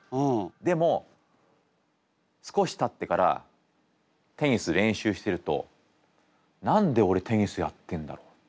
でも少したってからテニス練習してると何でオレテニスやってんだろう。